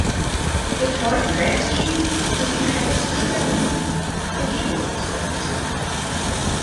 Der Freund rät ihm, sich dem Kaiser zu stellen und Vergebung zu erbitten.